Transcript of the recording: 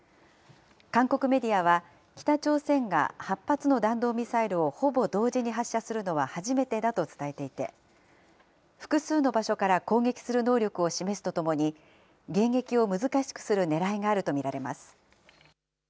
韓国メディアは、北朝鮮が８発の弾道ミサイルをほぼ同時に発射するのは初めてだと伝えていて、複数の場所から攻撃する能力を示すとともに、迎撃を難しくするねらいがあると見られます。